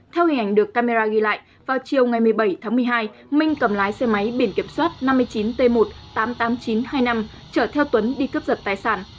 theo hình ảnh được camera ghi lại vào chiều ngày một mươi bảy tháng một mươi hai minh cầm lái xe máy biển kiểm soát năm mươi chín t một tám mươi tám nghìn chín trăm hai mươi năm chở theo tuấn đi cướp giật tài sản